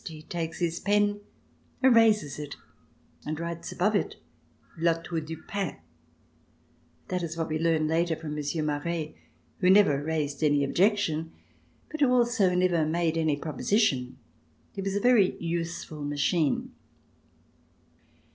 He takes his pen, erases it, and writes above it La Tour dii Pin. That is what we learned later from Monsieur Maret, who never raised any objection, but who also never made any proposition. He was a very useful machine.